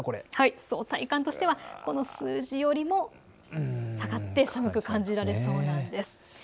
体感としてはこの数字よりも下がって寒く感じられそうなんです。